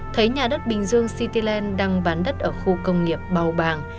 thấy nhà đất bình dương cityland đang bán đất ở khu công nghiệp bào bàng